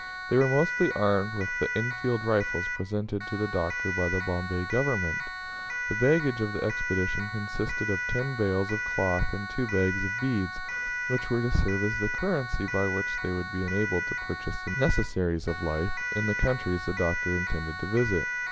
They were mostly armed with the Enfield rifles presented to the Doctor by the Bombay Government. The baggage of the expedition consisted of ten bales of cloth and two bags of beads, which were to serve as the currency by which they would be enabled to purchase the necessaries of life in the countries the Doctor intended to visit.